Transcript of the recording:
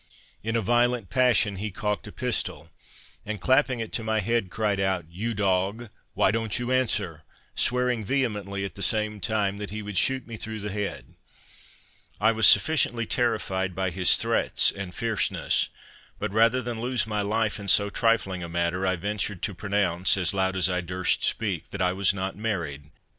In a violent passion he cocked a pistol, and clapping it to my head, cried out, "You dog, why don't you answer?" swearing vehemently at the same time that he would shoot me through the head. I was sufficiently terrified by his threats and fierceness, but rather than lose my life in so trifling a matter, I ventured to pronounce, as loud as I durst speak, that I was not married.